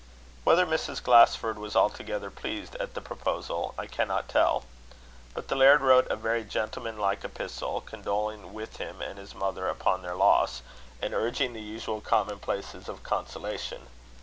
Whether Mrs. Glasford was altogether pleased at the proposal, I cannot tell; but the laird wrote a very gentlemanlike epistle, condoling with him and his mother upon their loss, and urging the usual common places of consolation.